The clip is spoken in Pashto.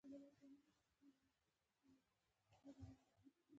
صبر او حوصله پکار ده